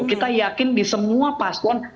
kita yakin di semua paslon